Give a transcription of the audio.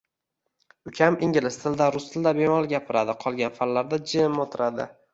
Ukam ingliz tilida, rus tilida bemalol gapiradi, qolgan fanlarda jim o'tiradi..